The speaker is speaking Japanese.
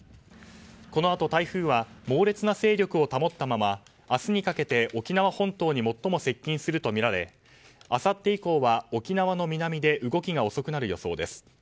このあと、台風は猛烈な勢力を保ったまま明日にかけて沖縄本島に最も接近するとみられあさって以降は沖縄の南で動きが遅くなる予想です。